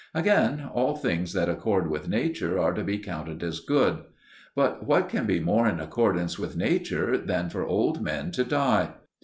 Again, all things that accord with nature are to be counted as good. But what can be more in accordance with nature than for old men to die?